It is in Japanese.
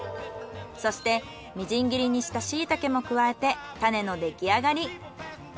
そしてみじん切りにしたシイタケも加えてタネのできあがり。